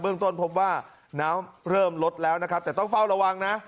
ต้นพบว่าน้ำเริ่มลดแล้วนะครับแต่ต้องเฝ้าระวังนะ